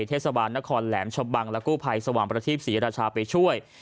เทศบาลนครแหลมชะบังและกู้ภัยสว่างประทีปศรีราชาไปช่วย